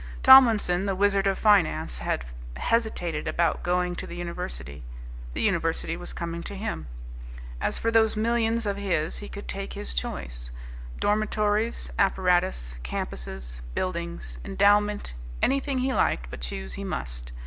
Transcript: Tomlinson, the Wizard of Finance, had hesitated about going to the university. The university was coming to him. As for those millions of his, he could take his choice dormitories, apparatus, campuses, buildings, endowment, anything he liked but choose he must.